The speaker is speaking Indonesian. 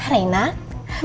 bener ini tantanya reina